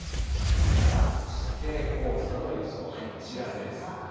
さあそして、黄砂の予想がこちらです。